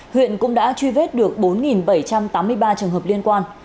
huyện cũng đã truy vết được bốn bảy trăm tám mươi ba trường hợp liên quan